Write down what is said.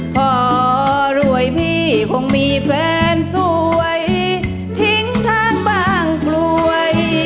พอรวยพี่คงมีแฟนสวยทิ้งทางบ้างป่วย